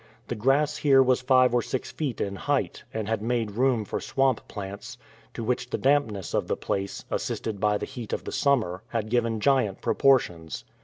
The grass here was five or six feet in height, and had made room for swamp plants, to which the dampness of the place, assisted by the heat of summer, had given giant proportions.